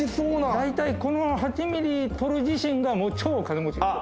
大体この８ミリ撮る自身がもう超お金持ちですよ。